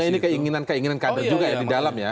maksudnya ini keinginan kader juga ya di dalam ya